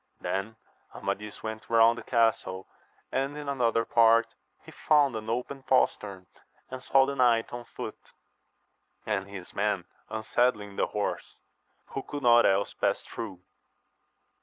Then Amadis went round the castle, and in another part he found an open postern, and saw the knight on foot, and his men unsaddling the horse, who could not else pass through.